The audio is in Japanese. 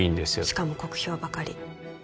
しかも酷評ばかり